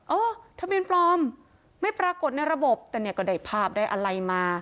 เออทะเบียนปลอมไม่ปรากฏในระบบแต่เนี่ยก็ได้ภาพได้อะไรมา